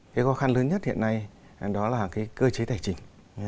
cái khó khăn lớn nhất hiện nay đó là cái cơ chế tài chính